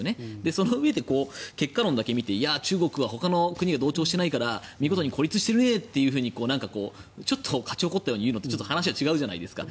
そのうえで結果論だけ見て中国はほかの国に同調していないから孤立しているねってちょっと勝ち誇ったように言うのって話が違うじゃないですか。